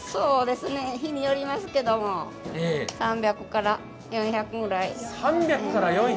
日によりますけれども、３００から４００ぐらい。